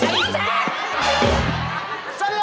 ไปดีแสน